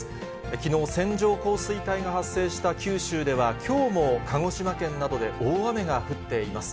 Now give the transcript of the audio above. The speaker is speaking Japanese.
きのう、線状降水帯が発生した九州では、きょうも鹿児島県などで大雨が降っています。